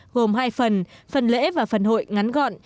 gồm hai phần phần lễ và phần hội ngắn gọn